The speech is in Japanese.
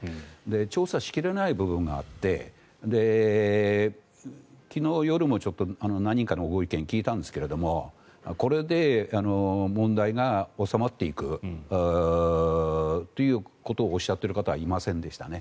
調査しきれない部分があって昨日夜も何人かのご意見を聞いたんですけどもこれで問題が収まっていくということをおっしゃっている方はいませんでしたね。